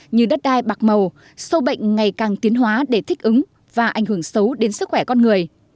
như đất đai bạc màu sâu bệnh ngày càng tiến hóa để thích ứng và ảnh hưởng xấu đến sức khỏe con người